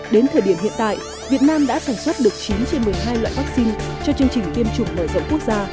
đến thời điểm hiện tại việt nam đã sản xuất được chín trên một mươi hai loại vắc xin cho chương trình tiêm chủng nổi rộng quốc gia